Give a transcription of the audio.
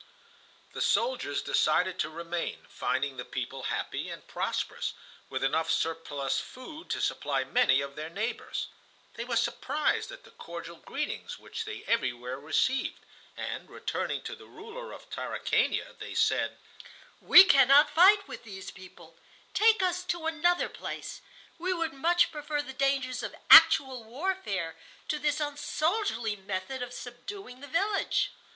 The soldiers decided to remain, finding the people happy and prosperous, with enough surplus food to supply many of their neighbors. They were surprised at the cordial greetings which they everywhere received, and, returning to the ruler of Tarakania, they said: "We cannot fight with these people—take us to another place. We would much prefer the dangers of actual warfare to this unsoldierly method of subduing the village."